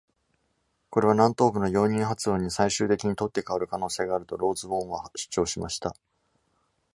「これは南東部の容認発音に最終的に取って代わる可能性がある」と Rosewarne は主張しました。